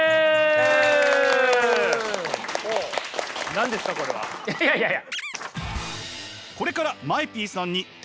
何ですかこれは？いやいやいや。